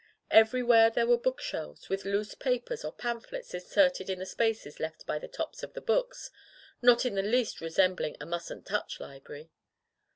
Everywhere there were book shelves, with loose papers or pamphlets inserted in the spaces left by the tops of the books — ^not in the least resem bling a "mustn't touch*' library.